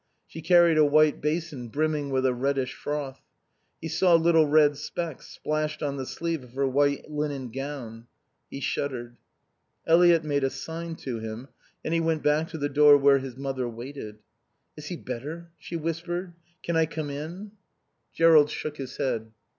She carried a white basin brimming with a reddish froth. He saw little red specks splashed on the sleeve of her white linen gown. He shuddered. Eliot made a sign to him and he went back to the door where his mother waited. "Is he better?" she whispered. "Can I come in?" Jerrold shook his head.